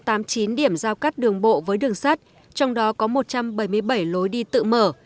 trong trường này có một trăm tám mươi chín điểm giao cắt đường bộ với đường sắt trong đó có một trăm bảy mươi bảy lối đi tự mở